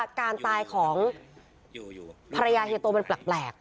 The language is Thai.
ว่าการตายของภรรยาเฮียตัวเป็นแปลก